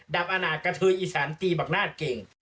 ดับอาหนาท์กระเทยอีสานตีบักนาดเก่ง